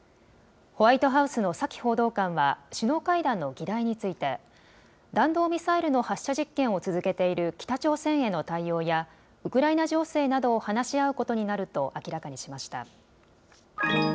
ホワイトハウスのサキ報道官は、首脳会談の議題について、弾道ミサイルの発射実験を続けている北朝鮮への対応や、ウクライナ情勢などを話し合うことになると明らかにしました。